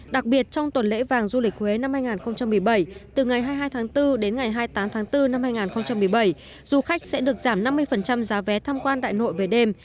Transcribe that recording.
đặc biệt trong tuần lễ vàng du lịch huế năm hai nghìn một mươi bảy từ ngày hai mươi hai tháng bốn đến ngày hai mươi tám tháng bốn năm hai nghìn một mươi bảy du khách sẽ được giảm năm mươi giá vé tham quan đại nội về đêm